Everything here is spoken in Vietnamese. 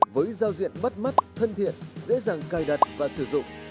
với giao diện bắt mắt thân thiện dễ dàng cài đặt và sử dụng